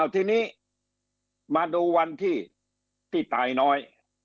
ทีนี้มาดูวันที่ตายน้อย